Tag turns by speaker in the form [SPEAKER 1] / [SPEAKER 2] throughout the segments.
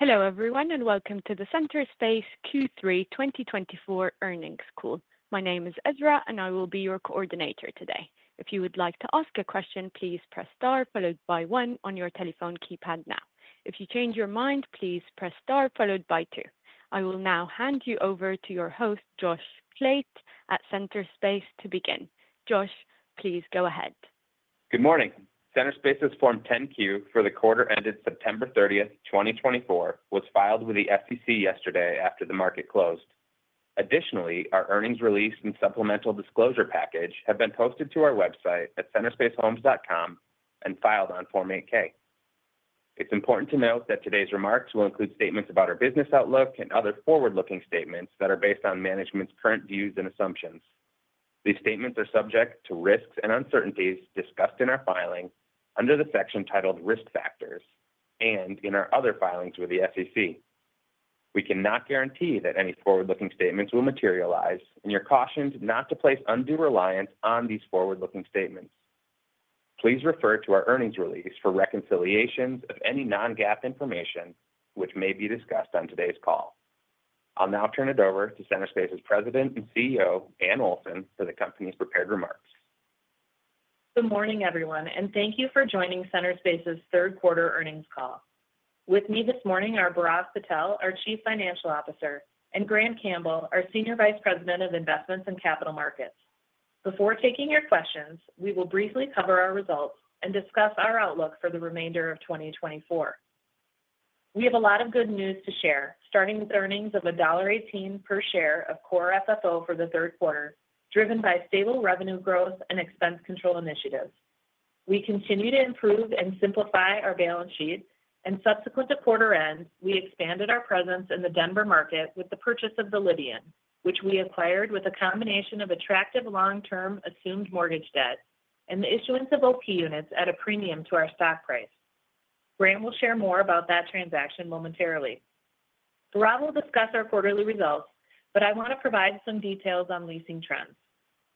[SPEAKER 1] Hello everyone and Welcome to the Centerspace Q3 2024 Earnings Call. My name is Ezra and I will be your coordinator today. If you would like to ask a question, please press star followed by one on your telephone keypad now. If you change your mind, please press star followed by two. I will now hand you over to your host, Josh Klaetsch, at Centerspace to begin. Josh, please go ahead.
[SPEAKER 2] Good morning. Centerspace's Form 10-Q for the quarter ended September 30th, 2024, was filed with the SEC yesterday after the market closed. Additionally, our earnings release and supplemental disclosure package have been posted to our website at centerspacehomes.com and filed on Form 8-K. It's important to note that today's remarks will include statements about our business outlook and other forward-looking statements that are based on management's current views and assumptions. These statements are subject to risks and uncertainties discussed in our filing under the section titled Risk Factors and in our other filings with the SEC. We cannot guarantee that any forward-looking statements will materialize, and you're cautioned not to place undue reliance on these forward-looking statements. Please refer to our earnings release for reconciliations of any non-GAAP information, which may be discussed on today's call. I'll now turn it over to Centerspace's President and CEO, Anne Olson, for the company's prepared remarks.
[SPEAKER 3] Good morning everyone, and thank you for joining Centerspace's Q3 earnings call. With me this morning are Bhairav Patel, our Chief Financial Officer, and Grant Campbell, our Senior Vice President of Investments and Capital Markets. Before taking your questions, we will briefly cover our results and discuss our outlook for the remainder of 2024. We have a lot of good news to share, starting with earnings of $1.18 per share of core FFO for the Q3, driven by stable revenue growth and expense control initiatives. We continue to improve and simplify our balance sheet, and subsequent to quarter end, we expanded our presence in the Denver market with the purchase of The Lydian, which we acquired with a combination of attractive long-term assumed mortgage debt and the issuance of OP units at a premium to our stock price. Grant will share more about that transaction momentarily. Bhairav will discuss our quarterly results, but I want to provide some details on leasing trends.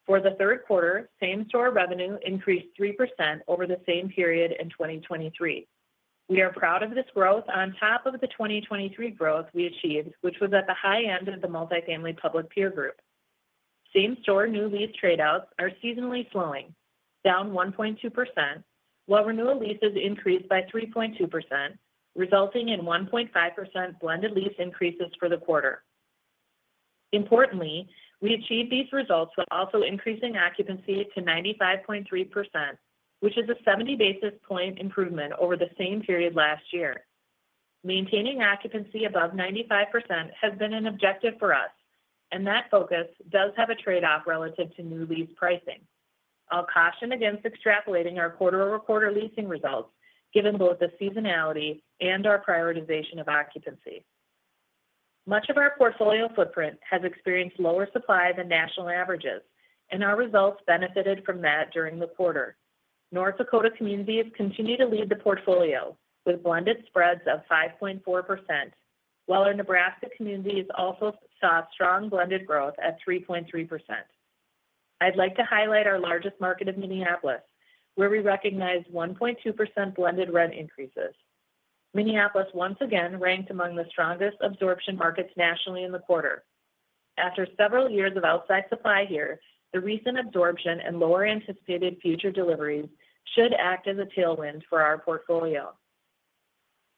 [SPEAKER 3] For the Q3, Same Store revenue increased 3% over the same period in 2023. We are proud of this growth on top of the 2023 growth we achieved, which was at the high end of the multifamily public peer group. Same Store new lease trade-outs are seasonally slowing, down 1.2%, while renewal leases increased by 3.2%, resulting in 1.5% blended lease increases for the quarter. Importantly, we achieved these results while also increasing occupancy to 95.3%, which is a 70 basis point improvement over the same period last year. Maintaining occupancy above 95% has been an objective for us, and that focus does have a trade-off relative to new lease pricing. I'll caution against extrapolating our quarter-over-quarter leasing results, given both the seasonality and our prioritization of occupancy. Much of our portfolio footprint has experienced lower supply than national averages, and our results benefited from that during the quarter. North Dakota communities have continued to lead the portfolio with blended spreads of 5.4%, while our Nebraska communities have also saw strong blended growth at 3.3%. I'd like to highlight our largest market of Minneapolis, where we recognized 1.2% blended rent increases. Minneapolis once again ranked among the strongest absorption markets nationally in the quarter. After several years of outside supply here, the recent absorption and lower anticipated future deliveries should act as a tailwind for our portfolio.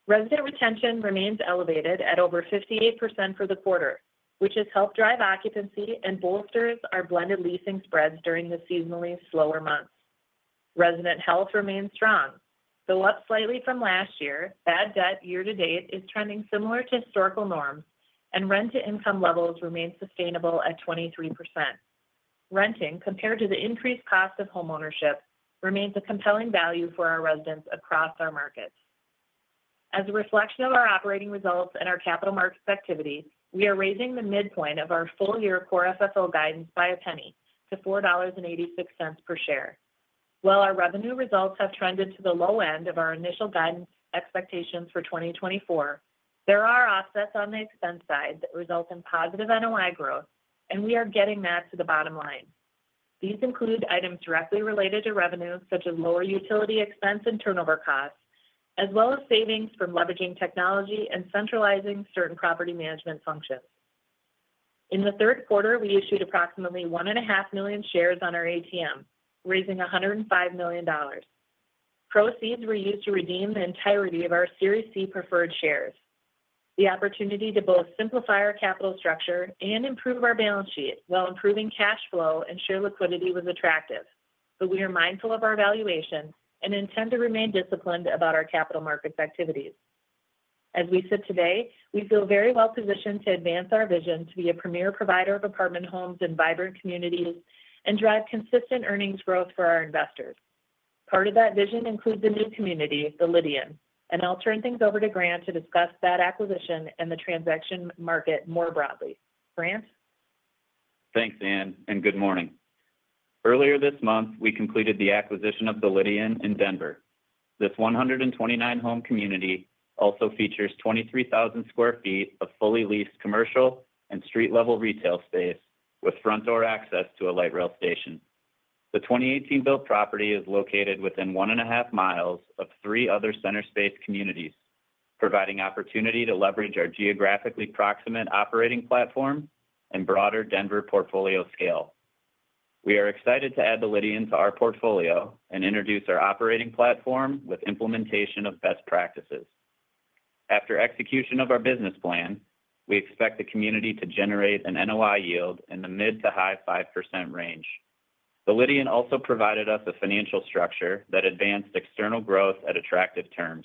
[SPEAKER 3] Resident retention remains elevated at over 58% for the quarter, which has helped drive occupancy and bolsters our blended leasing spreads during the seasonally slower months. Resident health remains strong. Though up slightly from last year, bad debt year-to-date is trending similar to historical norms, and rent-to-income levels remain sustainable at 23%. Renting, compared to the increased cost of homeownership, remains a compelling value for our residents across our markets. As a reflection of our operating results and our capital markets activity, we are raising the midpoint of our full-year core FFO guidance by a penny to $4.86 per share. While our revenue results have trended to the low end of our initial guidance expectations for 2024, there are offsets on the expense side that result in positive NOI growth, and we are getting that to the bottom line. These include items directly related to revenue, such as lower utility expense and turnover costs, as well as savings from leveraging technology and centralizing certain property management functions. In the Q3, we issued approximately 1.5 million shares on our ATM, raising $105 million. Proceeds were used to redeem the entirety of our Series C preferred shares. The opportunity to both simplify our capital structure and improve our balance sheet while improving cash flow and share liquidity was attractive, but we are mindful of our valuation and intend to remain disciplined about our capital markets activities. As we sit today, we feel very well positioned to advance our vision to be a premier provider of apartment homes in vibrant communities and drive consistent earnings growth for our investors. Part of that vision includes a new community, The Lydian, and I'll turn things over to Grant to discuss that acquisition and the transaction market more broadly. Grant?
[SPEAKER 4] Thanks, Anne, and good morning. Earlier this month, we completed the acquisition of The Lydian in Denver. This 129-home community also features 23,000 sq ft of fully leased commercial and street-level retail space with front door access to a light rail station. The 2018-built property is located within 1.5 mi of three other Centerspace communities, providing opportunity to leverage our geographically proximate operating platform and broader Denver portfolio scale. We are excited to add The Lydian to our portfolio and introduce our operating platform with implementation of best practices. After execution of our business plan, we expect the community to generate an NOI yield in the mid- to high-5% range. The Lydian also provided us a financial structure that advanced external growth at attractive terms.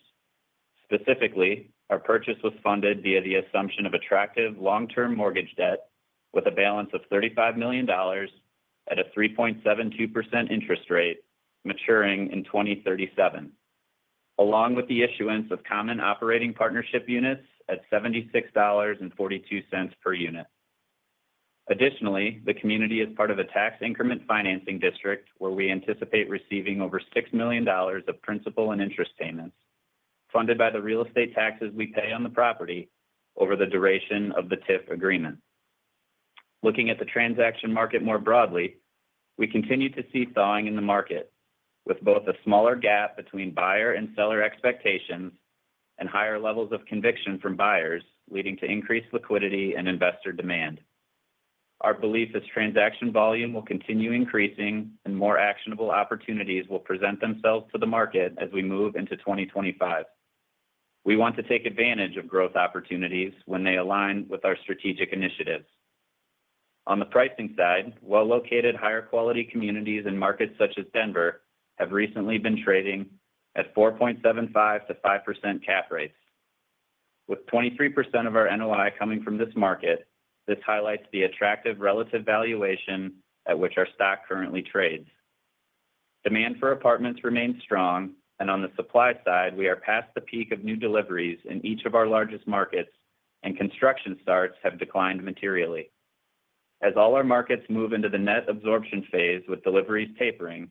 [SPEAKER 4] Specifically, our purchase was funded via the assumption of attractive long-term mortgage debt with a balance of $35 million at a 3.72% interest rate maturing in 2037, along with the issuance of common operating partnership units at $76.42 per unit. Additionally, the community is part of a tax increment financing district where we anticipate receiving over $6 million of principal and interest payments, funded by the real estate taxes we pay on the property over the duration of the TIF agreement. Looking at the transaction market more broadly, we continue to see thawing in the market, with both a smaller gap between buyer and seller expectations and higher levels of conviction from buyers, leading to increased liquidity and investor demand. Our belief is transaction volume will continue increasing and more actionable opportunities will present themselves to the market as we move into 2025. We want to take advantage of growth opportunities when they align with our strategic initiatives. On the pricing side, well-located, higher quality communities in markets such as Denver have recently been trading at 4.75%-5% cap rates. With 23% of our NOI coming from this market, this highlights the attractive relative valuation at which our stock currently trades. Demand for apartments remains strong, and on the supply side, we are past the peak of new deliveries in each of our largest markets, and construction starts have declined materially. As all our markets move into the net absorption phase with deliveries tapering,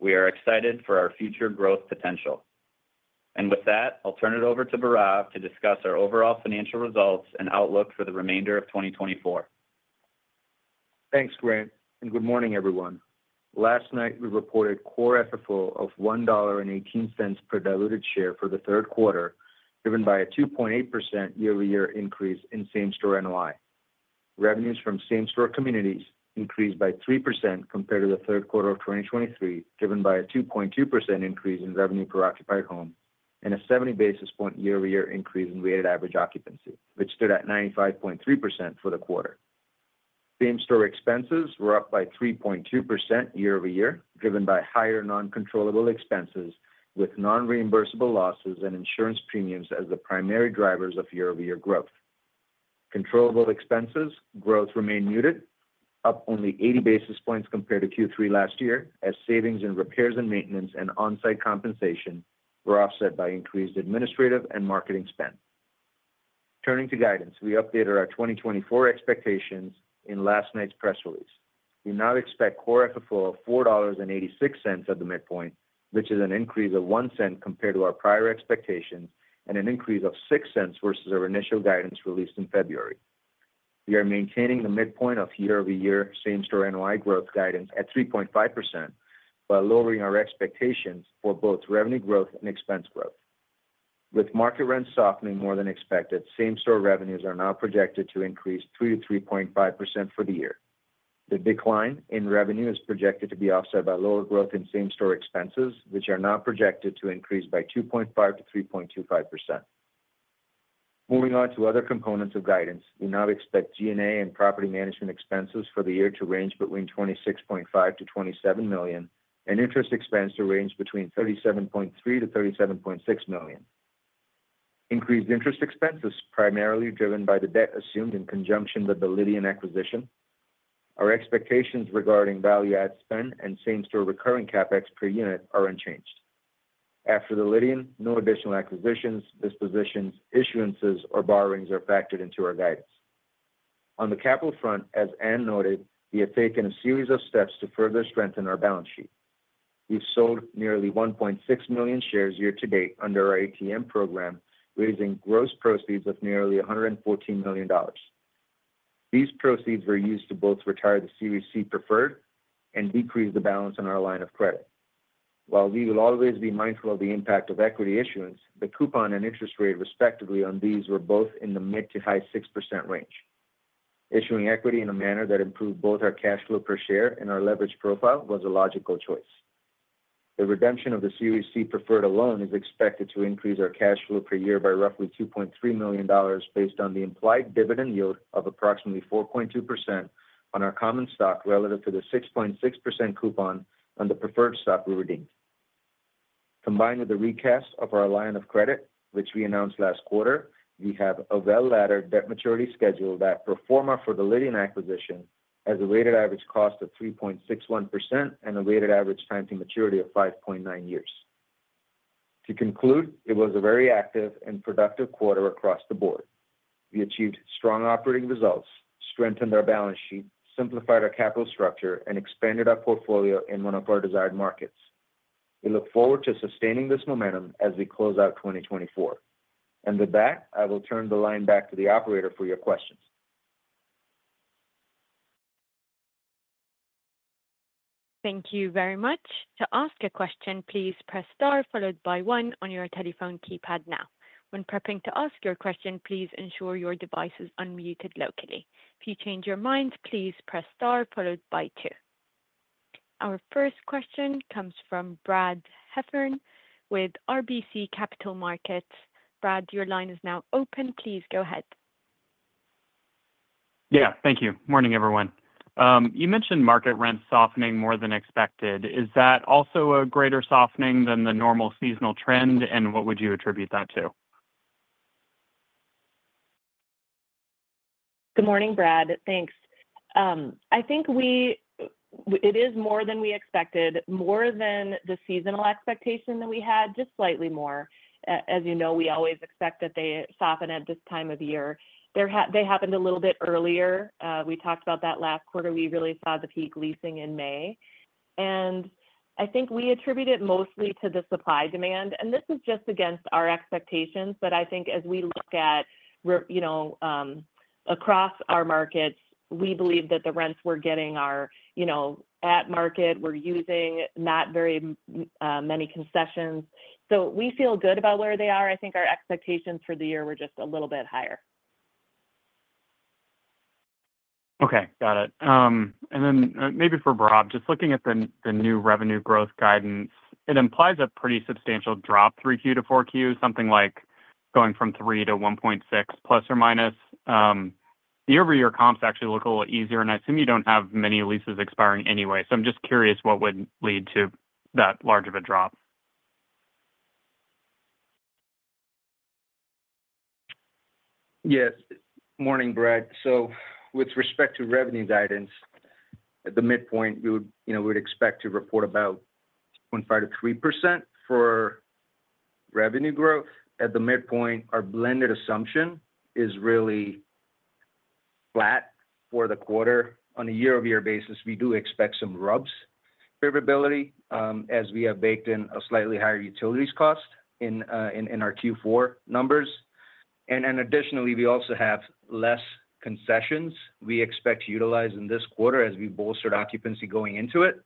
[SPEAKER 4] we are excited for our future growth potential, and with that, I'll turn it over to Bhairav to discuss our overall financial results and outlook for the remainder of 2024.
[SPEAKER 5] Thanks, Grant, and good morning everyone. Last night, we reported core FFO of $1.18 per diluted share for the Q3, driven by a 2.8% year-to-year increase in same store NOI. Revenues from same store communities increased by 3% compared to the Q3 of 2023, driven by a 2.2% increase in revenue per occupied home and a 70 basis point year-to-year increase in weighted average occupancy, which stood at 95.3% for the quarter. Same store expenses were up by 3.2% year-to-year, driven by higher non-controllable expenses with non-reimbursable losses and insurance premiums as the primary drivers of year-to-year growth. Controllable expenses growth remained muted, up only 80 basis points compared to Q3 last year, as savings in repairs and maintenance and on-site compensation were offset by increased administrative and marketing spend. Turning to guidance, we updated our 2024 expectations in last night's press release. We now expect Core FFO of $4.86 at the midpoint, which is an increase of 1 cent compared to our prior expectations and an increase of 6 cents versus our initial guidance released in February. We are maintaining the midpoint of year-to-year Same Store NOI growth guidance at 3.5% while lowering our expectations for both revenue growth and expense growth. With market rents softening more than expected, Same Store revenues are now projected to increase 3%-3.5% for the year. The decline in revenue is projected to be offset by lower growth in Same Store expenses, which are now projected to increase by 2.5%-3.25%. Moving on to other components of guidance, we now expect G&A and property management expenses for the year to range between $26.5 million-27 million and interest expense to range between $37.3 million-37.6 million. Increased interest expenses, primarily driven by the debt assumed in conjunction with The Lydian acquisition. Our expectations regarding value-add spend and same-store recurring CapEx per unit are unchanged. After The Lydian, no additional acquisitions, dispositions, issuances, or borrowings are factored into our guidance. On the capital front, as Anne noted, we have taken a series of steps to further strengthen our balance sheet. We've sold nearly 1.6 million shares year-to-date under our ATM program, raising gross proceeds of nearly $114 million. These proceeds were used to both retire the Series C preferred and decrease the balance on our line of credit. While we will always be mindful of the impact of equity issuance, the coupon and interest rate, respectively, on these were both in the mid-to-high 6% range. Issuing equity in a manner that improved both our cash flow per share and our leverage profile was a logical choice. The redemption of the Series C preferred alone is expected to increase our cash flow per year by roughly $2.3 million based on the implied dividend yield of approximately 4.2% on our common stock relative to the 6.6% coupon on the preferred stock we redeemed. Combined with the recast of our line of credit, which we announced last quarter, we have a well-laddered debt maturity schedule that pro forma for the Lydian acquisition as a weighted average cost of 3.61% and a weighted average time to maturity of 5.9 years. To conclude, it was a very active and productive quarter across the board. We achieved strong operating results, strengthened our balance sheet, simplified our capital structure, and expanded our portfolio in one of our desired markets. We look forward to sustaining this momentum as we close out 2024. And with that, I will turn the line back to the operator for your questions.
[SPEAKER 1] Thank you very much. To ask a question, please press star followed by one on your telephone keypad now. When prepping to ask your question, please ensure your device is unmuted locally. If you change your mind, please press star followed by two. Our first question comes from Brad Heffern with RBC Capital Markets. Brad, your line is now open. Please go ahead.
[SPEAKER 6] Yeah, thank you. Morning, everyone. You mentioned market rents softening more than expected. Is that also a greater softening than the normal seasonal trend, and what would you attribute that to?
[SPEAKER 3] Good morning, Brad. Thanks. I think it is more than we expected, more than the seasonal expectation that we had, just slightly more. As you know, we always expect that they soften at this time of year. They happened a little bit earlier. We talked about that last quarter. We really saw the peak leasing in May, and I think we attribute it mostly to the supply demand, and this is just against our expectations, but I think as we look at across our markets, we believe that the rents we're getting are at market. We're using not very many concessions. So we feel good about where they are. I think our expectations for the year were just a little bit higher.
[SPEAKER 6] Okay, got it. And then maybe for Bhairav, just looking at the new revenue growth guidance, it implies a pretty substantial drop through Q3 to 4Q, something like going from 3% to 1.6%, plus or minus. Year-to-year comps actually look a little easier, and I assume you don't have many leases expiring anyway, so I'm just curious what would lead to that large of a drop.
[SPEAKER 5] Yes. Morning, Brad. So with respect to revenue guidance, at the midpoint, we would expect to report about 2.5%-3% for revenue growth. At the midpoint, our blended assumption is really flat for the quarter. On a year-to-year basis, we do expect some RUBS favorability as we have baked in a slightly higher utilities cost in our Q4 numbers. And additionally, we also have less concessions we expect to utilize in this quarter as we bolstered occupancy going into it.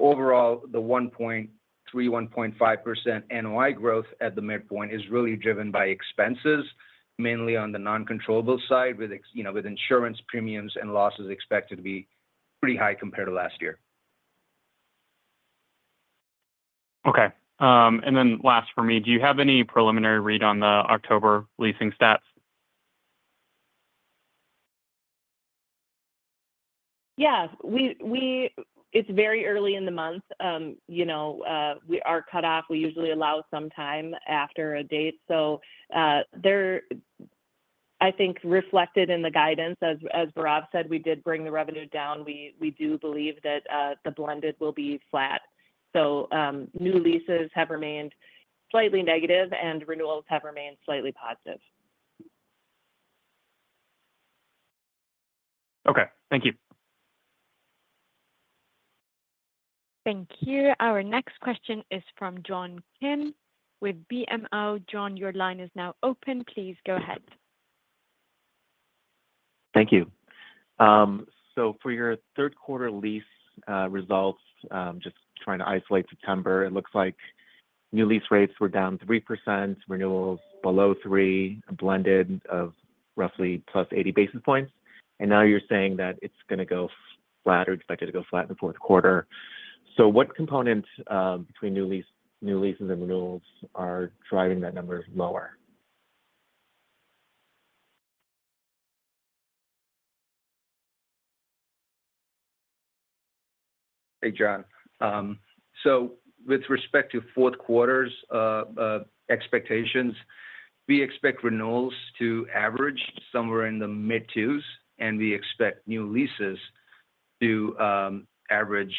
[SPEAKER 5] Overall, the 1.3%-1.5% NOI growth at the midpoint is really driven by expenses, mainly on the non-controllable side, with insurance premiums and losses expected to be pretty high compared to last year.
[SPEAKER 6] Okay. And then last for me, do you have any preliminary read on the October leasing stats?
[SPEAKER 3] Yeah. It's very early in the month. We are cut off. We usually allow some time after a date. So I think reflected in the guidance, as Bhairav said, we did bring the revenue down. We do believe that the blended will be flat. So new leases have remained slightly negative, and renewals have remained slightly positive.
[SPEAKER 6] Okay. Thank you.
[SPEAKER 1] Thank you. Our next question is from John Kim with BMO. John, your line is now open. Please go ahead.
[SPEAKER 7] Thank you. So for your Q3 lease results, just trying to isolate September, it looks like new lease rates were down 3%, renewals below 3%, blended of roughly plus 80 basis points. And now you're saying that it's going to go flat or expected to go flat in the Q4. So what components between new leases and renewals are driving that number lower?
[SPEAKER 5] Hey, John. So with respect to Q4 expectations, we expect renewals to average somewhere in the mid-twos, and we expect new leases to average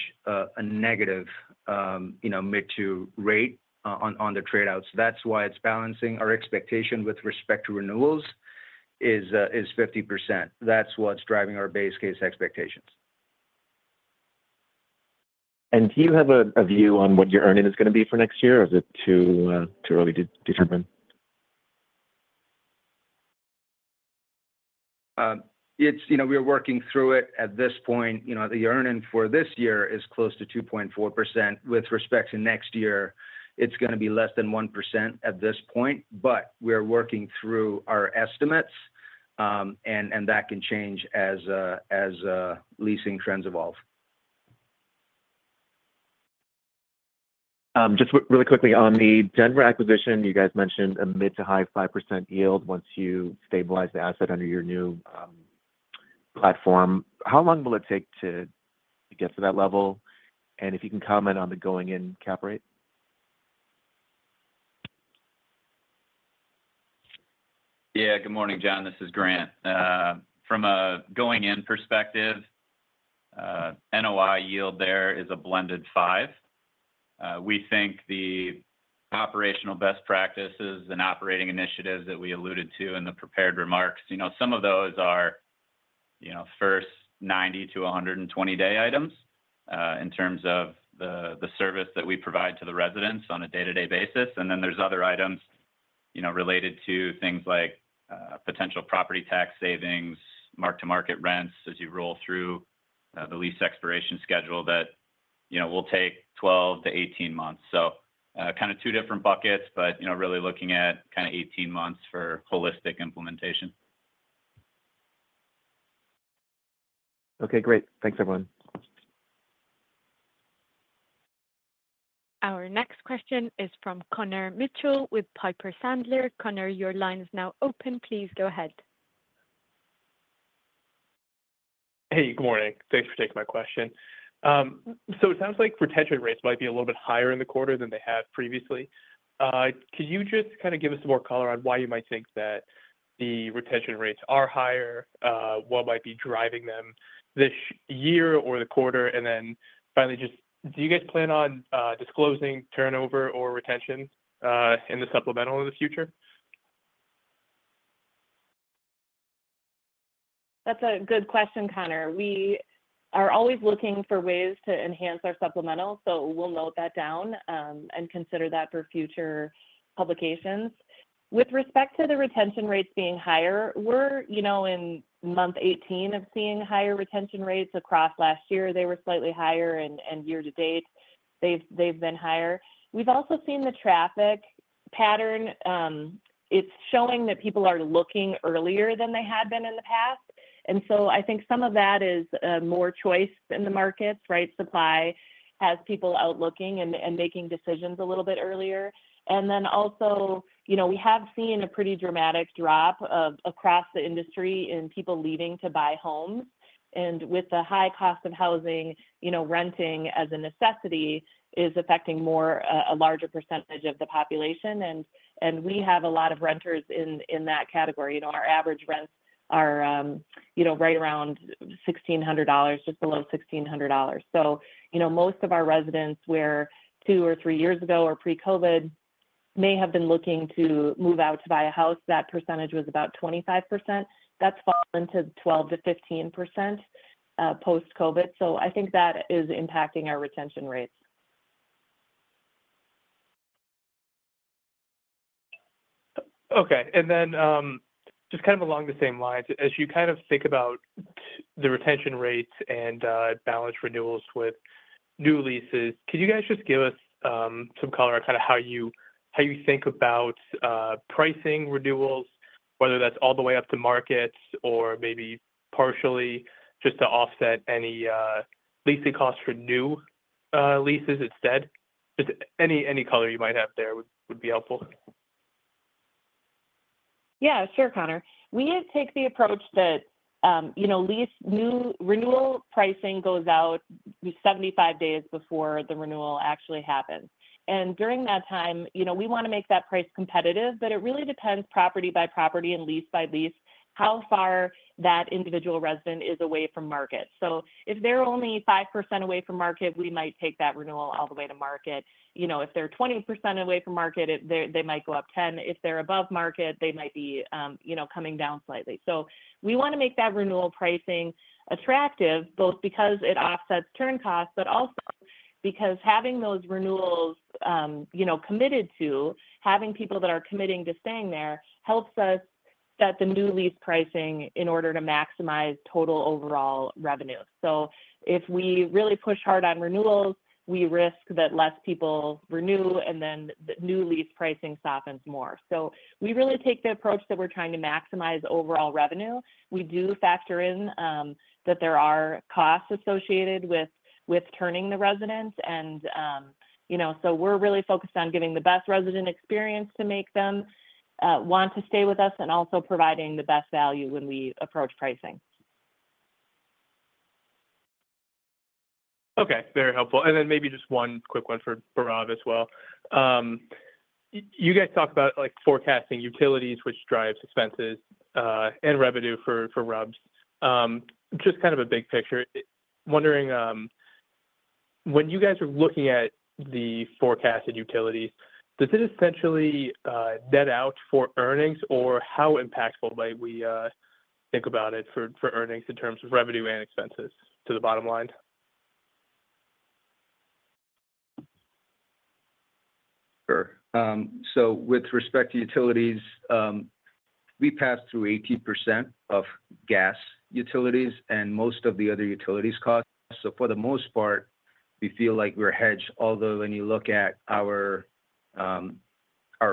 [SPEAKER 5] a negative mid-two rate on the trade-offs. That's why it's balancing our expectation with respect to renewals is 50%. That's what's driving our base case expectations.
[SPEAKER 7] Do you have a view on what your earnings is going to be for next year? Is it too early to determine?
[SPEAKER 5] We're working through it at this point. The earnings for this year is close to 2.4%. With respect to next year, it's going to be less than 1% at this point, but we're working through our estimates, and that can change as leasing trends evolve.
[SPEAKER 7] Just really quickly, on the Denver acquisition, you guys mentioned a mid- to high 5% yield once you stabilize the asset under your new platform. How long will it take to get to that level? And if you can comment on the going-in cap rate?
[SPEAKER 4] Yeah. Good morning, John. This is Grant. From a going-in perspective, NOI yield there is a blended five. We think the operational best practices and operating initiatives that we alluded to in the prepared remarks, some of those are first 90-120-day items in terms of the service that we provide to the residents on a day-to-day basis. And then there's other items related to things like potential property tax savings, mark-to-market rents as you roll through the lease expiration schedule that will take 12-18 months. So kind of two different buckets, but really looking at kind of 18 months for holistic implementation.
[SPEAKER 7] Okay, great. Thanks, everyone.
[SPEAKER 1] Our next question is from Connor Mitchell with Piper Sandler. Connor, your line is now open. Please go ahead.
[SPEAKER 8] Hey, good morning. Thanks for taking my question. So it sounds like retention rates might be a little bit higher in the quarter than they had previously. Could you just kind of give us some more color on why you might think that the retention rates are higher? What might be driving them this year or the quarter? And then finally, just do you guys plan on disclosing turnover or retention in the supplemental in the future?
[SPEAKER 3] That's a good question, Connor. We are always looking for ways to enhance our supplemental, so we'll note that down and consider that for future publications. With respect to the retention rates being higher, we're in month 18 of seeing higher retention rates across last year. They were slightly higher, and year-to-date, they've been higher. We've also seen the traffic pattern. It's showing that people are looking earlier than they had been in the past, and so I think some of that is more choice in the markets, right? Supply has people out looking and making decisions a little bit earlier, and then also, we have seen a pretty dramatic drop across the industry in people leaving to buy homes, and with the high cost of housing, renting as a necessity is affecting a larger percentage of the population, and we have a lot of renters in that category. Our average rents are right around $1,600, just below $1,600. So most of our residents who two or three years ago or pre-COVID may have been looking to move out to buy a house, that percentage was about 25%. That's fallen to 12% to 15% post-COVID. So I think that is impacting our retention rates.
[SPEAKER 8] Okay. And then just kind of along the same lines, as you kind of think about the retention rates and balance renewals with new leases, could you guys just give us some color on kind of how you think about pricing renewals, whether that's all the way up to market or maybe partially just to offset any leasing costs for new leases instead? Just any color you might have there would be helpful.
[SPEAKER 3] Yeah, sure, Connor. We take the approach that new renewal pricing goes out 75 days before the renewal actually happens. And during that time, we want to make that price competitive, but it really depends property by property and lease by lease how far that individual resident is away from market. So if they're only 5% away from market, we might take that renewal all the way to market. If they're 20% away from market, they might go up 10%. If they're above market, they might be coming down slightly. So we want to make that renewal pricing attractive, both because it offsets turn costs, but also because having those renewals committed to, having people that are committing to staying there helps us set the new lease pricing in order to maximize total overall revenue. So if we really push hard on renewals, we risk that less people renew, and then the new lease pricing softens more, so we really take the approach that we're trying to maximize overall revenue. We do factor in that there are costs associated with turning the residents, and so we're really focused on giving the best resident experience to make them want to stay with us and also providing the best value when we approach pricing.
[SPEAKER 8] Okay. Very helpful. And then maybe just one quick one for Bhairav as well. You guys talked about forecasting utilities, which drives expenses and revenue for revenue. Just kind of a big picture. Wondering, when you guys are looking at the forecasted utilities, does it essentially net out for earnings, or how impactful might we think about it for earnings in terms of revenue and expenses to the bottom line?
[SPEAKER 5] Sure. So with respect to utilities, we pass through 80% of gas utilities and most of the other utilities costs. So for the most part, we feel like we're hedged, although when you look at our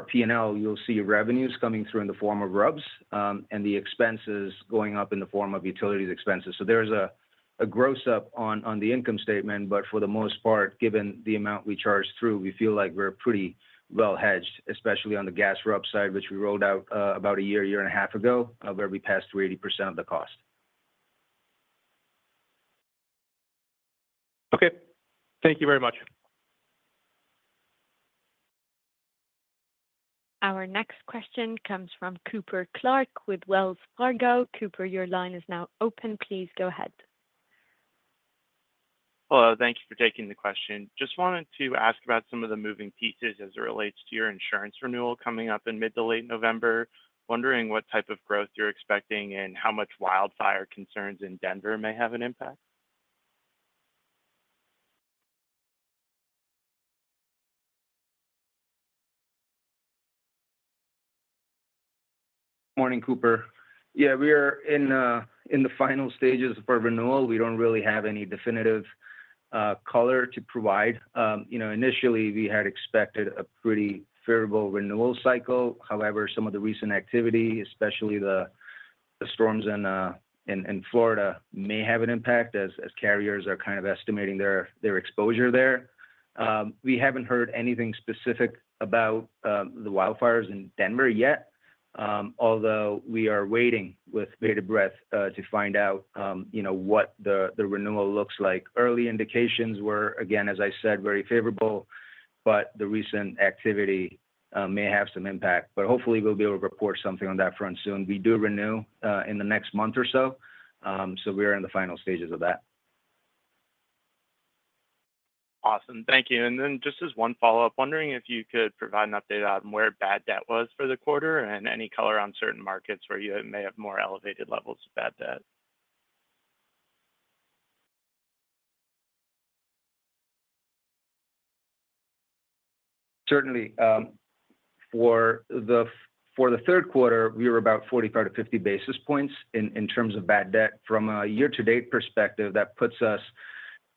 [SPEAKER 5] P&L, you'll see revenues coming through in the form of RUBS and the expenses going up in the form of utilities expenses. So there's a gross up on the income statement, but for the most part, given the amount we charge through, we feel like we're pretty well hedged, especially on the gas RUBS side, which we rolled out about a year, year and a half ago, where we passed through 80% of the cost.
[SPEAKER 8] Okay. Thank you very much.
[SPEAKER 1] Our next question comes from Cooper Clark with Wells Fargo. Cooper, your line is now open. Please go ahead.
[SPEAKER 9] Hello. Thank you for taking the question. Just wanted to ask about some of the moving pieces as it relates to your insurance renewal coming up in mid to late November. Wondering what type of growth you're expecting and how much wildfire concerns in Denver may have an impact?
[SPEAKER 5] Morning, Cooper. Yeah, we are in the final stages of our renewal. We don't really have any definitive color to provide. Initially, we had expected a pretty favorable renewal cycle. However, some of the recent activity, especially the storms in Florida, may have an impact as carriers are kind of estimating their exposure there. We haven't heard anything specific about the wildfires in Denver yet, although we are waiting with bated breath to find out what the renewal looks like. Early indications were, again, as I said, very favorable, but the recent activity may have some impact. But hopefully, we'll be able to report something on that front soon. We do renew in the next month or so. So we are in the final stages of that.
[SPEAKER 9] Awesome. Thank you. And then just as one follow-up, wondering if you could provide an update on where bad debt was for the quarter and any color on certain markets where you may have more elevated levels of bad debt?
[SPEAKER 5] Certainly. For the Q3, we were about 45-50 basis points in terms of bad debt. From a year-to-date perspective, that puts us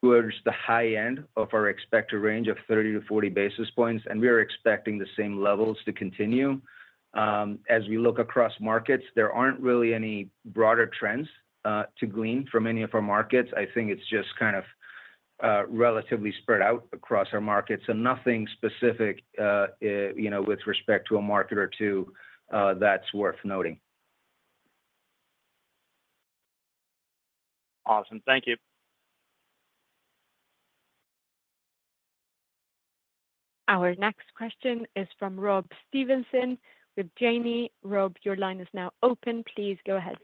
[SPEAKER 5] towards the high end of our expected range of 30-40 basis points, and we are expecting the same levels to continue. As we look across markets, there aren't really any broader trends to glean from any of our markets. I think it's just kind of relatively spread out across our markets, so nothing specific with respect to a market or two that's worth noting.
[SPEAKER 9] Awesome. Thank you.
[SPEAKER 1] Our next question is from Rob Stevenson with Janney. Rob, your line is now open. Please go ahead.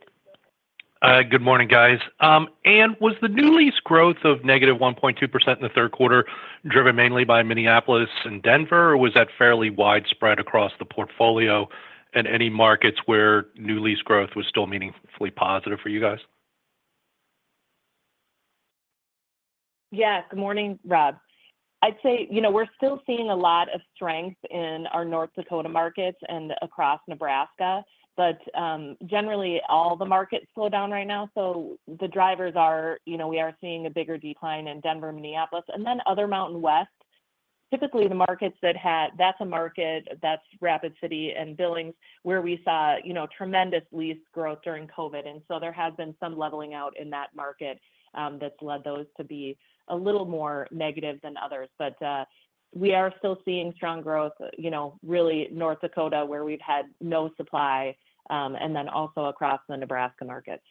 [SPEAKER 10] Good morning, guys, and was the new lease growth of negative 1.2% in the Q3 driven mainly by Minneapolis and Denver, or was that fairly widespread across the portfolio in any markets where new lease growth was still meaningfully positive for you guys?
[SPEAKER 3] Yeah. Good morning, Rob. I'd say we're still seeing a lot of strength in our North Dakota markets and across Nebraska. But generally, all the markets slow down right now. So the drivers are we are seeing a bigger decline in Denver, Minneapolis, and then other Mountain West. Typically, the markets that had that's a market that's Rapid City and Billings where we saw tremendous lease growth during COVID. And so there has been some leveling out in that market that's led those to be a little more negative than others. But we are still seeing strong growth, really, North Dakota where we've had no supply, and then also across the Nebraska markets.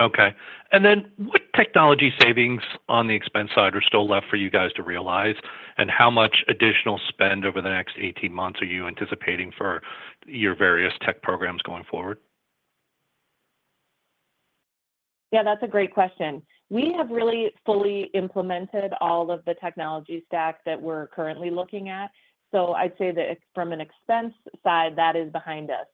[SPEAKER 10] Okay. And then what technology savings on the expense side are still left for you guys to realize, and how much additional spend over the next 18 months are you anticipating for your various tech programs going forward?
[SPEAKER 3] Yeah, that's a great question. We have really fully implemented all of the technology stack that we're currently looking at. So I'd say that from an expense side, that is behind us.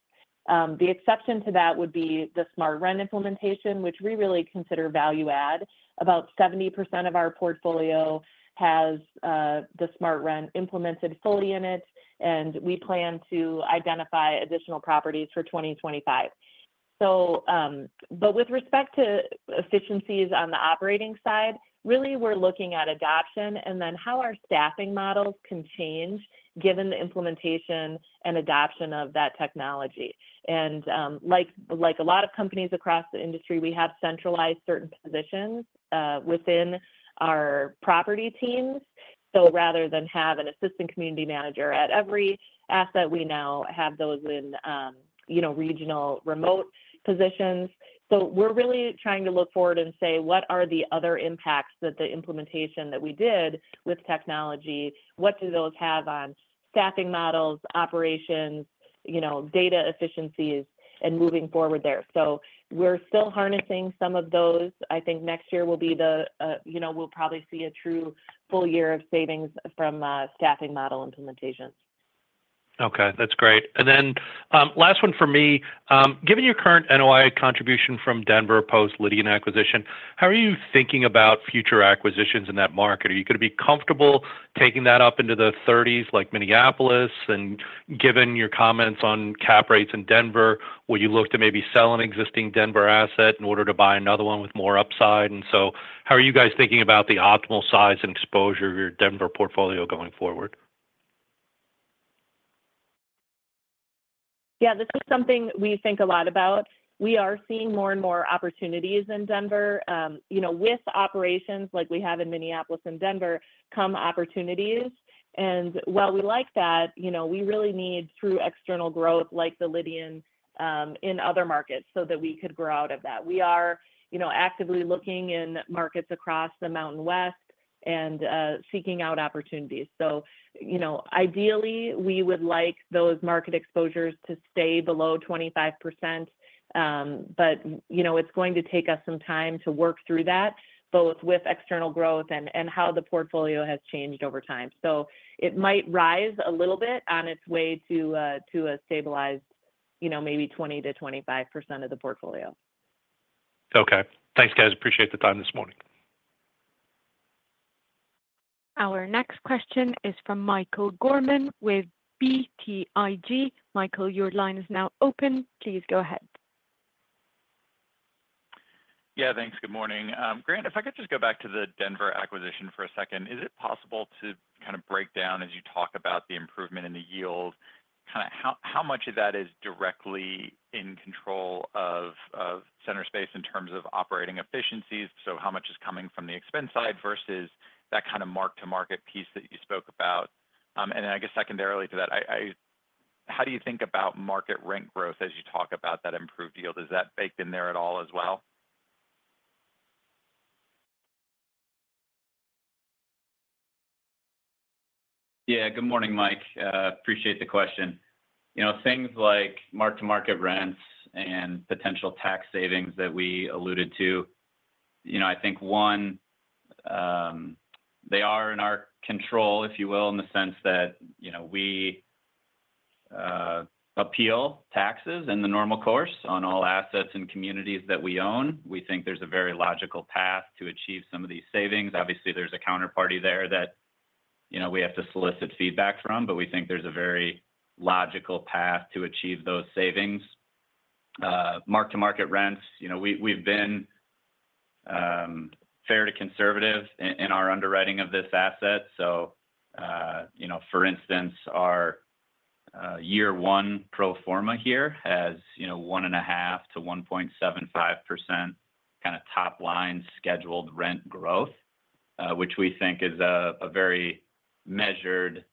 [SPEAKER 3] The exception to that would be the SmartRent implementation, which we really consider value-add. About 70% of our portfolio has the SmartRent implemented fully in it, and we plan to identify additional properties for 2025. But with respect to efficiencies on the operating side, really, we're looking at adoption and then how our staffing models can change given the implementation and adoption of that technology. And like a lot of companies across the industry, we have centralized certain positions within our property teams. So rather than have an assistant community manager at every asset, we now have those in regional remote positions. So, we're really trying to look forward and say, what are the other impacts that the implementation that we did with technology, what do those have on staffing models, operations, data efficiencies, and moving forward there? So, we're still harnessing some of those. I think next year will be the year we'll probably see a true full year of savings from staffing model implementations.
[SPEAKER 10] Okay. That's great. And then last one for me. Given your current NOI contribution from Denver post-Lydian acquisition, how are you thinking about future acquisitions in that market? Are you going to be comfortable taking that up into the 30s like Minneapolis? And given your comments on cap rates in Denver, will you look to maybe sell an existing Denver asset in order to buy another one with more upside? And so how are you guys thinking about the optimal size and exposure of your Denver portfolio going forward?
[SPEAKER 3] Yeah, this is something we think a lot about. We are seeing more and more opportunities in Denver with operations like we have in Minneapolis and Denver come opportunities. And while we like that, we really need, through external growth like The Lydian in other markets, so that we could grow out of that. We are actively looking in markets across the Mountain West and seeking out opportunities. So ideally, we would like those market exposures to stay below 25%, but it's going to take us some time to work through that, both with external growth and how the portfolio has changed over time. So it might rise a little bit on its way to a stabilized maybe 20%-25% of the portfolio.
[SPEAKER 10] Okay. Thanks, guys. Appreciate the time this morning.
[SPEAKER 1] Our next question is from Michael Gorman with BTIG. Michael, your line is now open. Please go ahead.
[SPEAKER 11] Yeah, thanks. Good morning. Grant, if I could just go back to the Denver acquisition for a second, is it possible to kind of break down as you talk about the improvement in the yield, kind of how much of that is directly in control of Centerspace in terms of operating efficiencies? So how much is coming from the expense side versus that kind of mark-to-market piece that you spoke about? And then I guess secondarily to that, how do you think about market rent growth as you talk about that improved yield? Is that baked in there at all as well?
[SPEAKER 4] Yeah. Good morning, Mike. Appreciate the question. Things like mark-to-market rents and potential tax savings that we alluded to, I think, one, they are in our control, if you will, in the sense that we appeal taxes in the normal course on all assets and communities that we own. We think there's a very logical path to achieve some of these savings. Obviously, there's a counterparty there that we have to solicit feedback from, but we think there's a very logical path to achieve those savings. Mark-to-market rents, we've been fair to conservative in our underwriting of this asset. So for instance, our year one pro forma here has 1.5%-1.75% kind of top-line scheduled rent growth, which we think is a very measured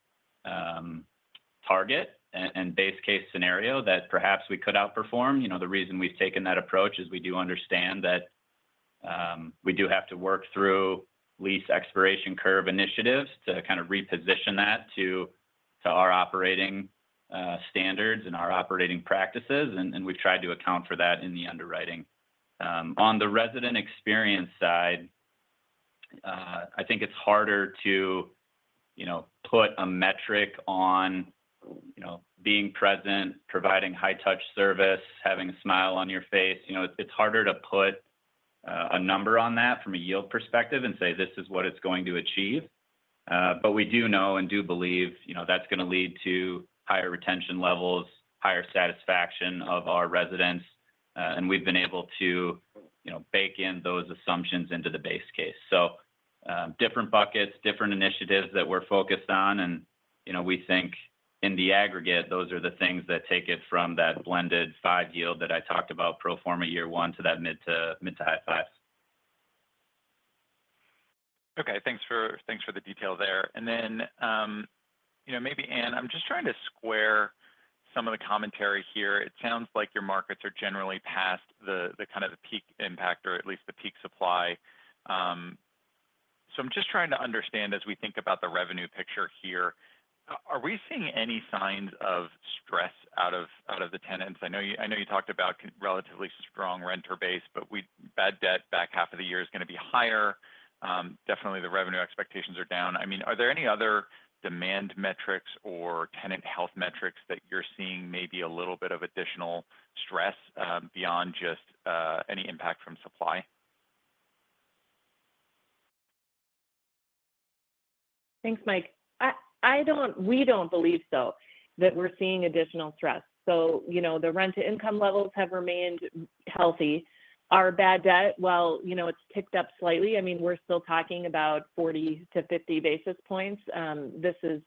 [SPEAKER 4] target and base case scenario that perhaps we could outperform. The reason we've taken that approach is we do understand that we do have to work through lease expiration curve initiatives to kind of reposition that to our operating standards and our operating practices. And we've tried to account for that in the underwriting. On the resident experience side, I think it's harder to put a metric on being present, providing high-touch service, having a smile on your face. It's harder to put a number on that from a yield perspective and say, "This is what it's going to achieve." But we do know and do believe that's going to lead to higher retention levels, higher satisfaction of our residents. And we've been able to bake in those assumptions into the base case. So different buckets, different initiatives that we're focused on. We think in the aggregate, those are the things that take it from that blended five yield that I talked about, pro forma year one, to that mid to high fives.
[SPEAKER 11] Okay. Thanks for the detail there. And then maybe, Anne, I'm just trying to square some of the commentary here. It sounds like your markets are generally past the kind of peak impact or at least the peak supply. So I'm just trying to understand as we think about the revenue picture here, are we seeing any signs of stress out of the tenants? I know you talked about relatively strong renter base, but bad debt back half of the year is going to be higher. Definitely, the revenue expectations are down. I mean, are there any other demand metrics or tenant health metrics that you're seeing maybe a little bit of additional stress beyond just any impact from supply?
[SPEAKER 3] Thanks, Mike. We don't believe so, that we're seeing additional stress. So the rent-to-income levels have remained healthy. Our bad debt, while it's ticked up slightly, I mean, we're still talking about 40-50 basis points. This is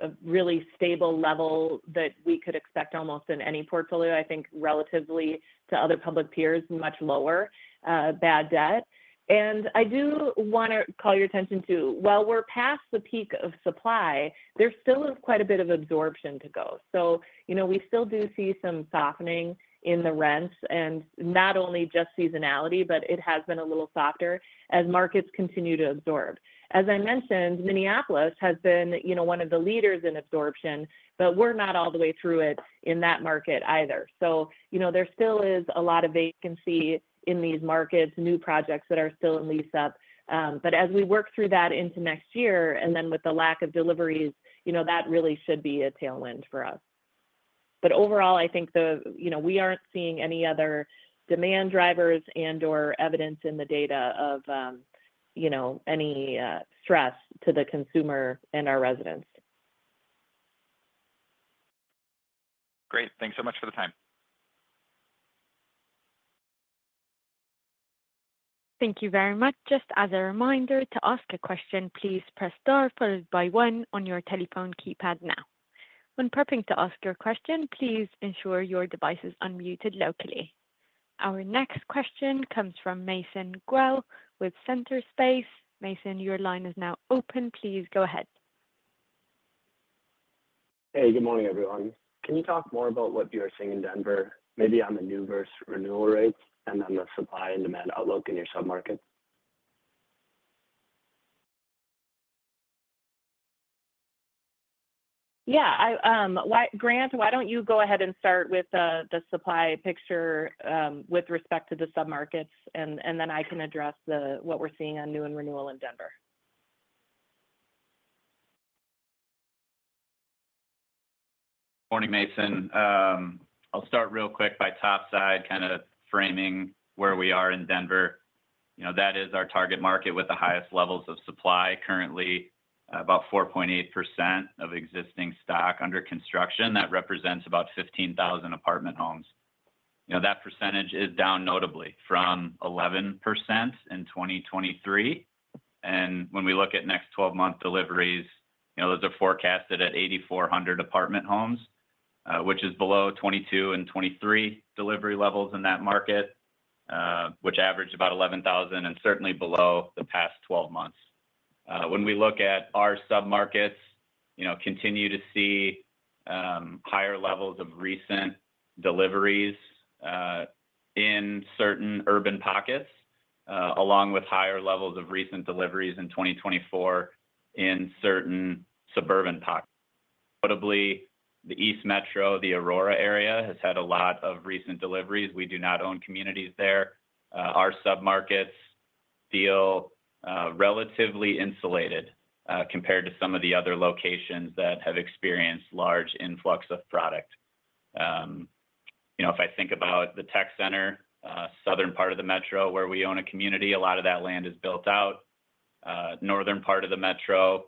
[SPEAKER 3] a really stable level that we could expect almost in any portfolio, I think, relatively to other public peers, much lower bad debt. And I do want to call your attention to, while we're past the peak of supply, there still is quite a bit of absorption to go. So we still do see some softening in the rents, and not only just seasonality, but it has been a little softer as markets continue to absorb. As I mentioned, Minneapolis has been one of the leaders in absorption, but we're not all the way through it in that market either. So there still is a lot of vacancy in these markets, new projects that are still in lease up. But as we work through that into next year, and then with the lack of deliveries, that really should be a tailwind for us. But overall, I think we aren't seeing any other demand drivers and/or evidence in the data of any stress to the consumer and our residents.
[SPEAKER 11] Great. Thanks so much for the time.
[SPEAKER 1] Thank you very much. Just as a reminder to ask a question, please press star followed by one on your telephone keypad now. When prepping to ask your question, please ensure your device is unmuted locally. Our next question comes from Mason Groff with Centerspace. Mason, your line is now open. Please go ahead. Hey, good morning, everyone. Can you talk more about what you are seeing in Denver, maybe on the new versus renewal rates, and then the supply and demand outlook in your submarket?
[SPEAKER 3] Yeah. Grant, why don't you go ahead and start with the supply picture with respect to the submarkets, and then I can address what we're seeing on new and renewal in Denver.
[SPEAKER 4] Morning, Mason. I'll start real quick by top side, kind of framing where we are in Denver. That is our target market with the highest levels of supply currently, about 4.8% of existing stock under construction. That represents about 15,000 apartment homes. That percentage is down notably from 11% in 2023. And when we look at next 12-month deliveries, those are forecasted at 8,400 apartment homes, which is below 2022 and 2023 delivery levels in that market, which averaged about 11,000 and certainly below the past 12 months. When we look at our submarkets, continue to see higher levels of recent deliveries in certain urban pockets, along with higher levels of recent deliveries in 2024 in certain suburban pockets. Notably, the East Metro, the Aurora area has had a lot of recent deliveries. We do not own communities there. Our submarkets feel relatively insulated compared to some of the other locations that have experienced large influx of product. If I think about the Tech Center, southern part of the metro where we own a community, a lot of that land is built out. Northern part of the metro,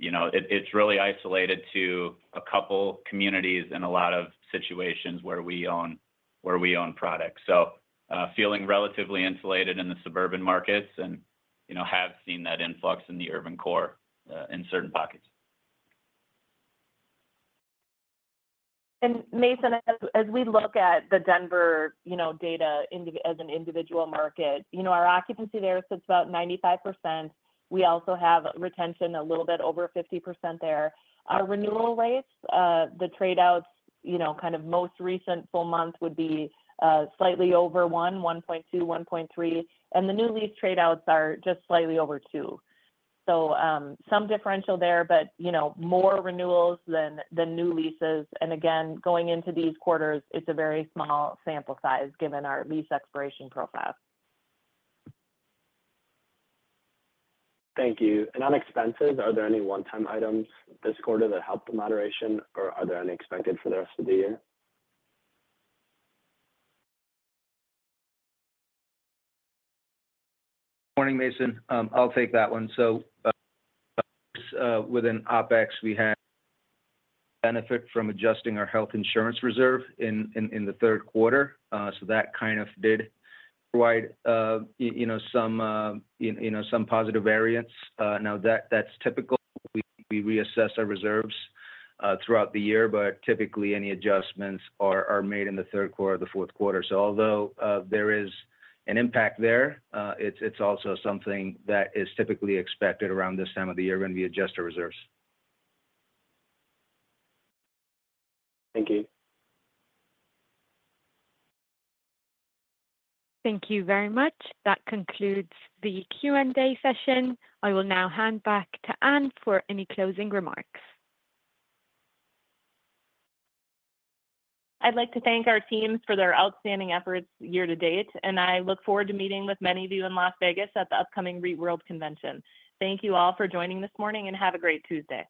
[SPEAKER 4] it's really isolated to a couple of communities and a lot of situations where we own products, so feeling relatively insulated in the suburban markets and have seen that influx in the urban core in certain pockets.
[SPEAKER 3] And Mason, as we look at the Denver data as an individual market, our occupancy there sits about 95%. We also have retention a little bit over 50% there. Our renewal rates, the trade-outs, kind of most recent full month would be slightly over 1%, 1.2%, 1.3%. And the new lease trade-outs are just slightly over 2%. So some differential there, but more renewals than new leases. And again, going into these quarters, it's a very small sample size given our lease expiration profile. Thank you. And on expenses, are there any one-time items this quarter that help the moderation, or are there unexpected for the rest of the year?
[SPEAKER 5] Morning, Mason. I'll take that one. So within OpEx, we had benefit from adjusting our health insurance reserve in the Q3. So that kind of did provide some positive variance. Now, that's typical. We reassess our reserves throughout the year, but typically any adjustments are made in the Q3 or the Q4. So although there is an impact there, it's also something that is typically expected around this time of the year when we adjust our reserves. Thank you.
[SPEAKER 1] Thank you very much. That concludes the Q&A session. I will now hand back to Anne for any closing remarks.
[SPEAKER 3] I'd like to thank our teams for their outstanding efforts year to date, and I look forward to meeting with many of you in Las Vegas at the upcoming REIT World Convention. Thank you all for joining this morning and have a great Tuesday.